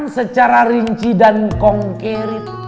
secara rinci dan konkret